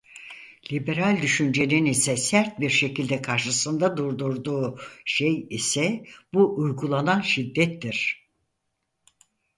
Liberal düşüncenin ise sert bir şekilde karşısında durdurduğu şey ise bu uygulanan şiddettir.